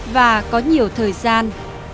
và có nhiều thời gian